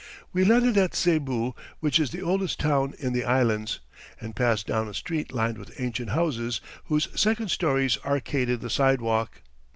We landed at Cebu, which is the oldest town in the Islands, and passed down a street lined with ancient houses whose second stories arcaded the sidewalk.